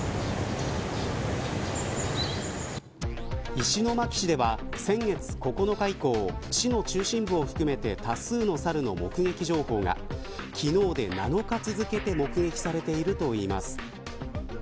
石巻市では、先月９日以降市の中心部を含めて多数のサルの目撃情報が昨日で７日続けて目撃されているといいます。